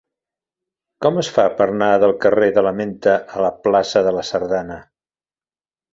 Com es fa per anar del carrer de la Menta a la plaça de la Sardana?